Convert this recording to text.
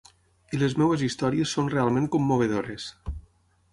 I les meves històries són realment commovedores.